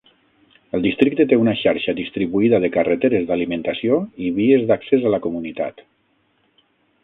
El districte té una xarxa distribuïda de carreteres d'alimentació i vies d'accés a la comunitat.